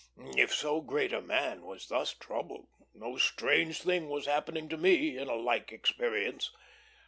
If so great a man was thus troubled, no strange thing was happening to me in a like experience.